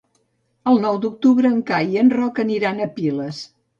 El nou d'octubre en Cai i en Roc aniran a Piles.